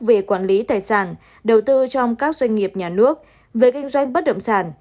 về quản lý tài sản đầu tư trong các doanh nghiệp nhà nước về kinh doanh bất động sản